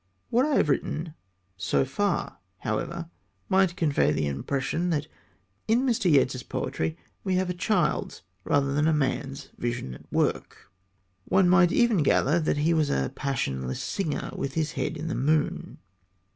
What I have written so far, however, might convey the impression that in Mr. Yeats's poetry we have a child's rather than a man's vision at work. One might even gather that he was a passionless singer with his head in the moon.